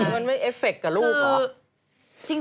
มันไม่เอฟเฟกต์กับลูกเหรอ